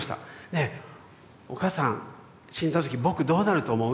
「ねえお母さん死んだ時僕どうなると思う？」って言ったんです。